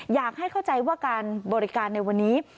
อยากให้เข้าใจว่าการบริการในวันนี้